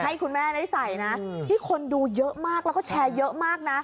ให้คุณแม่ได้ใส่นะที่คนดูเยอะมากแล้วก็แชร์เยอะมากนะ